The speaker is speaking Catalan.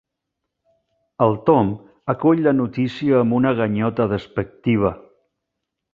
El Tom acull la notícia amb una ganyota despectiva.